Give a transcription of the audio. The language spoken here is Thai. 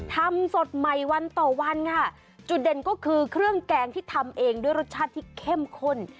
ทำสดใหม่วันต่อวันค่ะจุดเด่นก็คือเครื่องแกงที่ทำเองด้วยรสชาติที่เข้มข้น